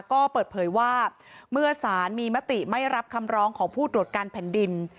ก็เปิดเผยว่าเมื่อสารมีมติไม่รับคำร้องของผู้ตรวจการแผ่นดิน